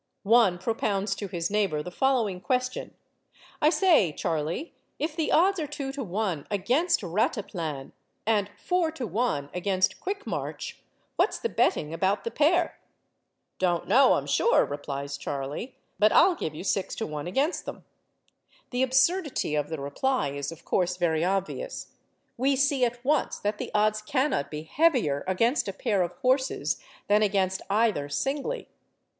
One propounds to his neighbour the following question: I say, Charley, if the odds are 2 to 1 against Rataplan, and 4 to 1 against Quick March, what's the betting about the pair?'—'Don't know, I'm sure,' replies Charley; 'but I'll give you 6 to 1 against them.' The absurdity of the reply is, of course, very obvious; we see at once that the odds cannot be heavier against a pair of horses than against either singly.